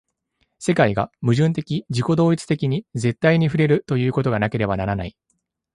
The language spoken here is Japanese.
世界が矛盾的自己同一的に絶対に触れるということがなければならない。